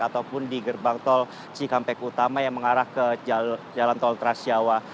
ataupun di gerbang tol cikangpek utama yang mengarah ke jalan tol tras jawa